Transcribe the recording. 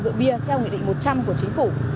rượu bia theo nghị định một trăm linh của chính phủ